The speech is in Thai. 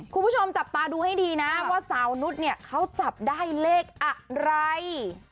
คุณผู้ชมจับตาดูให้ดีนะว่าสาวนุษย์เนี่ยเขาจับได้เลขอะไร